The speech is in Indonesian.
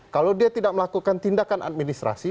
kalau dia tidak melakukan tindakan administrasi